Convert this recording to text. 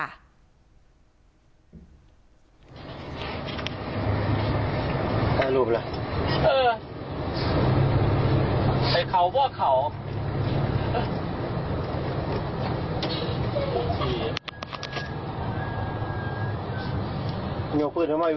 เอาอีกเดี๋ยว